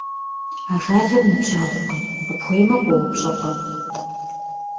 Ажалыр ныбжьэгъукъым, къыпхуеймэ, къоупщӀыркъым.